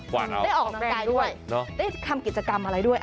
ได้ออกฝั่งด้วยได้ทำกิจกรรมอะไรด้วย